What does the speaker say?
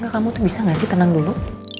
kamu tuh bisa gak sih tenang dulu